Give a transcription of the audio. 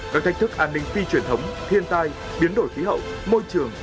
các thách thức an ninh phi truyền thống thiên tai biến đổi khí hậu môi trường